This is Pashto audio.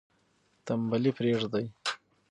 تنبلي پریږدئ.